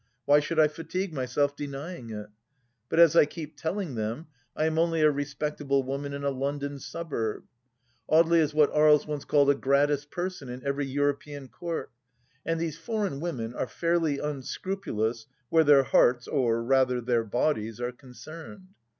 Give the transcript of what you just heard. Why should I fatigue myself denying it ? But as I keep telling them, I am only a respect able woman in a London suburb. Audely is what Aries once called a gratis person in every European Court, and these foreign women are fairly unscrupulous where their hearts — or rather their bodies — are concerned.